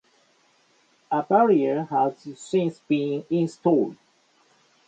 A barrier has since been installed.